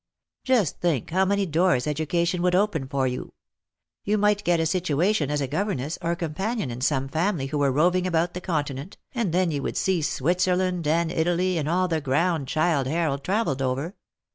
Just think how many doors education would open for you. You might get a situation as governess or companion in some family who were roving about the Continent, and then you would see Switzerland, and Italy, and all the ground Childe Harold travelled over.